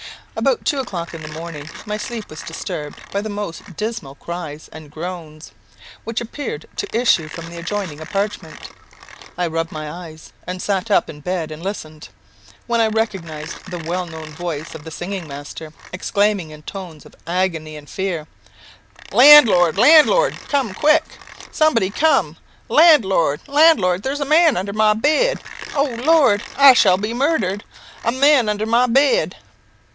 About two o'clock in the morning my sleep was disturbed by the most dismal cries and groans, which appeared to issue from the adjoining apartment. I rubbed my eyes, and sat up in the bed and listened, when I recognized the well known voice of the singing master, exclaiming in tones of agony and fear "Landlord! landlord! cum quick. Somebody cum. Landlord! landlord! there's a man under my bed. Oh, Lord! I shall be murdered! a man under my bed!"